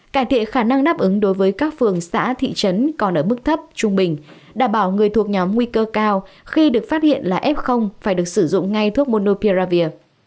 cải thiện khả năng đáp ứng đối với các phường xã thị trấn còn ở mức thấp trung bình đảm bảo người thuộc nhóm nguy cơ cao khi được phát hiện là f phải được sử dụng ngay thuốc monopiravir